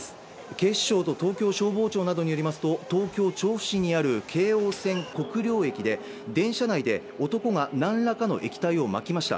警視庁と東京消防庁などによりますと、東京・調布市にある京王線国領駅で、電車内で、男が何らかの液体をまきました。